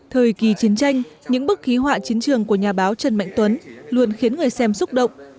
thời kỳ chiến tranh những bức ký họa chiến trường của nhà báo trần mạnh tuấn luôn khiến người xem xúc động